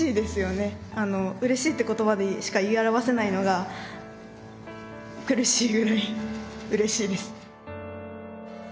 「うれしい」って言葉でしか言い表せないのが苦しいぐらいうれしいです。